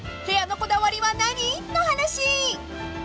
［部屋のこだわりは何？の話］